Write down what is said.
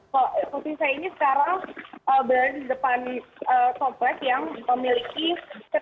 jadi posisi saya ini sekarang berada di depan komplek yang memiliki sepinggang